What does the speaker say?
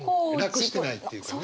楽してないっていうかね。